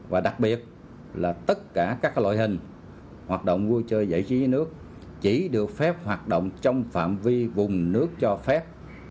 và đặc biệt là tất cả các loại hình hoạt động vui chơi giải trí nước chỉ được phép hoạt động trong phạm vi vùng nước cho phép